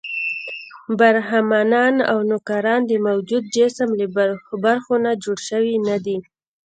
برهمنان او نوکران د موجود جسم له برخو نه جوړ شوي نه دي.